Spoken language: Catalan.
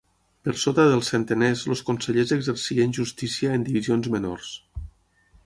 Per sota dels centeners els consellers exercien justícia en divisions menors.